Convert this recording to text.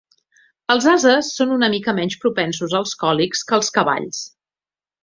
Els ases són una mica menys propensos als còlics que els cavalls.